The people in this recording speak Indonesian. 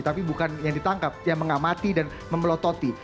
tapi bukan yang ditangkap yang mengamati dan memelototi